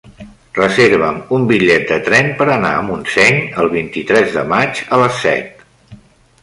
Reserva'm un bitllet de tren per anar a Montseny el vint-i-tres de maig a les set.